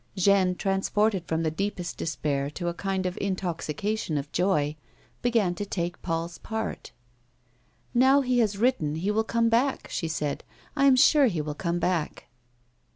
Jeanne, transported from the deepest despair to a kind of intoxication of hope, began to take Paul's part. "Now he has written, he will come back," she said. I am sure he will come back."